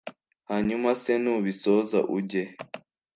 Hanyuma se nubisoza ujye he